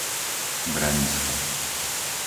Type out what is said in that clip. Branisko